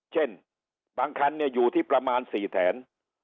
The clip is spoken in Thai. เช่นบางคันอยู่ที่ประมาณ๔แถน